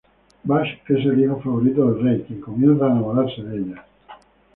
Bash es el hijo favorito del rey, quien comienza a enamorarse de ella.